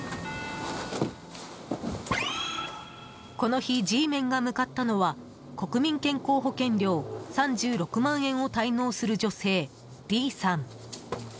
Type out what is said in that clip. この日、Ｇメンが向かったのは国民健康保険料３６万円を滞納する女性Ｄさん。